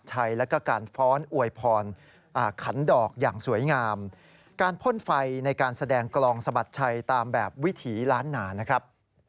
จากนั้นเวลา๙นาฬิกา๙นาทีนะครับ